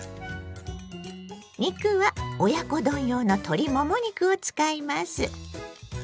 肉は親子丼用の鶏もも肉を使います。